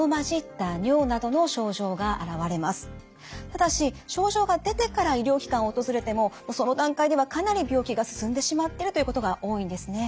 ただし症状が出てから医療機関を訪れてもその段階ではかなり病気が進んでしまっているということが多いんですね。